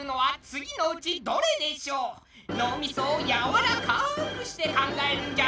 脳みそをやわらかくして考えるんじゃぞ。